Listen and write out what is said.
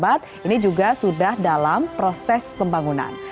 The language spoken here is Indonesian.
barat ini juga sudah dalam proses pembangunan